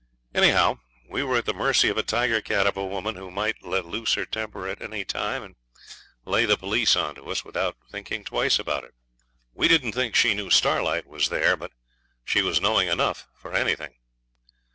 Anyhow, we were at the mercy of a tiger cat of a woman who might let loose her temper at any time and lay the police on to us, without thinking twice about it. We didn't think she knew Starlight was there, but she was knowing enough for anything.